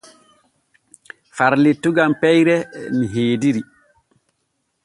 Far lettugal peyre ni heediri.